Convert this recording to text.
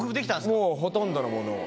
もうほとんどのものを。